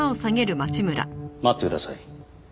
待ってください。